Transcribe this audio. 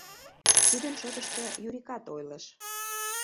Тидын шотышто Юрикат ойлыш.